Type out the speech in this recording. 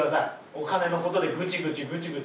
お金の事でグチグチグチグチ。